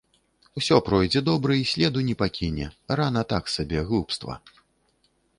Усё пройдзе добра і следу не пакіне, рана так сабе, глупства.